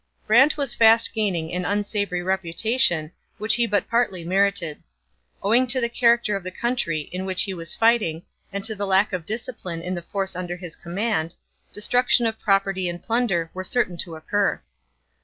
Brant was fast gaining an unsavoury reputation which he but partly merited. Owing to the character of the country in which he was fighting, and to the lack of discipline in the force under his command, destruction of property and plunder were certain to occur.